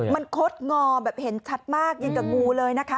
มันคดงอแบบเห็นชัดมากยิงกับงูเลยนะคะ